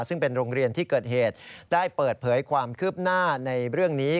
ซึ่งเป็นโรงเรียนที่เกิดเหตุได้เปิดเผยความคืบหน้าในเรื่องนี้